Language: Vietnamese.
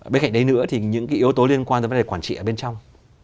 bên cạnh đấy nữa thì những cái yếu tố liên quan tới quản trị ở bên trong